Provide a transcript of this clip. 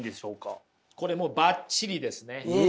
これもばっちりですね！